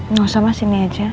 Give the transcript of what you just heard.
nggak usah mas ini aja